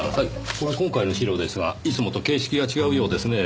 これ今回の資料ですがいつもと形式が違うようですねぇ。